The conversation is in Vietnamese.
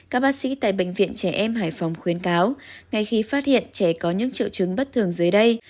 các bác sĩ tại bệnh viện trẻ em hải phòng khuyến cáo ngay khi phát hiện trẻ có những triệu chứng bất thường dưới đây